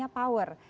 mereka punya power